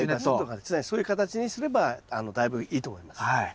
そういう形にすればだいぶいいと思います。